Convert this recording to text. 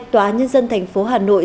tòa án nhân dân thành phố hà nội